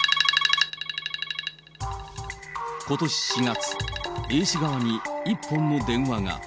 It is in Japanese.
ことし４月、Ａ氏側に１本の電話が。